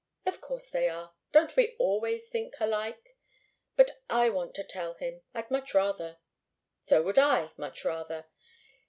"Of course they are. Don't we always think alike? But I want to tell him. I'd much rather." "So would I much rather.